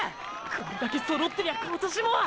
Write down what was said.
これだけ揃ってりゃ今年も！！